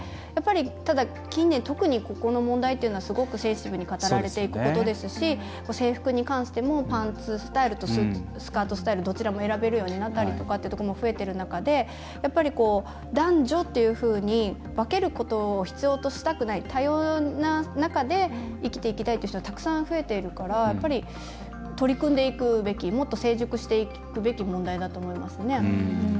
ただ近年、特にここの問題というのはすごくセンシティブに語られていくことですし制服に関してもパンツスタイルとスカートスタイルどちらも選べるようになったりとかってとこも増えてる中で男女というふうに分けることを必要としたくない多様な中で生きていきたいという人がたくさん増えているから取り組んでいくべきもっと成熟していくべき問題だと思いますね。